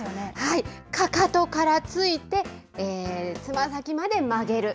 かかとからついて、つま先まで曲げる。